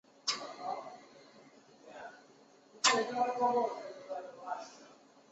陶普利茨是奥地利施蒂利亚州利岑县的一个市镇。